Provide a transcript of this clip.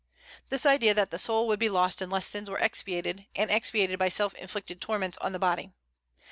This idea was that the soul would be lost unless sins were expiated, and expiated by self inflicted torments on the body.